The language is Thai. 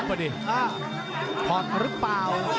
พ๋อพอหรือเปล่า